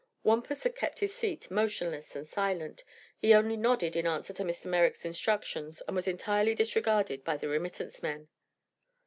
Wampus had kept his seat, motionless and silent. He only nodded in answer to Mr. Merrick's instructions and was entirely disregarded by the remittance men.